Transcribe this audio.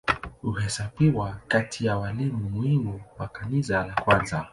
Huhesabiwa kati ya walimu muhimu wa Kanisa la kwanza.